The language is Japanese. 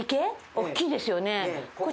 大きいですよね。